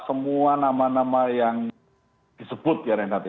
semua nama nama yang disebut ya